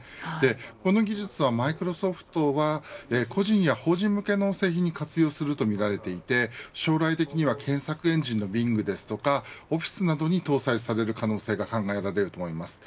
この技術をマイクロソフトは個人や法人向けの製品に活用するとみられていて将来的には検索エンジンのビングですとか、オフィスなどに搭載される可能性が見られると思います。